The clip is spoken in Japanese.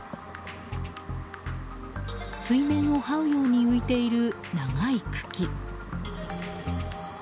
水面を這うように浮いている長い茎。